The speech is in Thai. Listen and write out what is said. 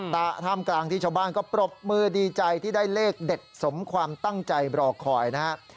ท่ามกลางที่ชาวบ้านก็ปรบมือดีใจที่ได้เลขเด็ดสมความตั้งใจรอคอยนะครับ